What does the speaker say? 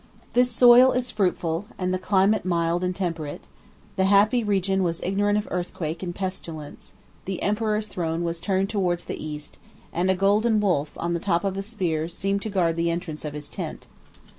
The soil is fruitful, and the climate mild and temperate: the happy region was ignorant of earthquake and pestilence; the emperor's throne was turned towards the East, and a golden wolf on the top of a spear seemed to guard the entrance of his tent.